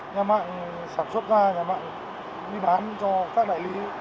nhà mạng sản xuất ra nhà bạn đi bán cho các đại lý